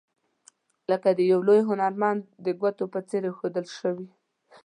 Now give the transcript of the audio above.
لکه د یو لوی هنرمند د ګوتو په څیر ایښودل شوي.